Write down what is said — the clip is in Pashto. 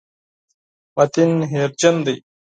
متین هېرجن دی.